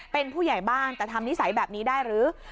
เป็นผู้ใหญ่บ้านแต่ทำนิสัยแบบนี้ได้หรือ